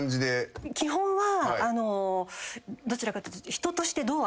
基本はどちらかというと。